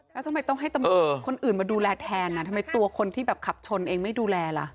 แล้วทำไมต้องให้ตำรวจคนอื่นมาดูแลแทนทำไมตัวคนที่แบบขับชนเองไม่ดูแลล่ะ